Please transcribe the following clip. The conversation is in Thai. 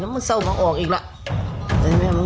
สีแดงแล้วก็เสื้อผ้าขาแล้วก็มีแต่เลือด